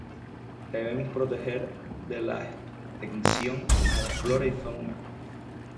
Debemos proteger de la extincion a la flora y fauna